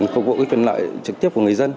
phục vụ tuyên lợi trực tiếp của người dân